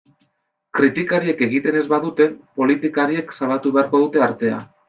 Kritikariek egiten ez badute, politikariek salbatu beharko dute artea.